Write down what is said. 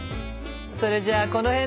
それじゃあこの辺で。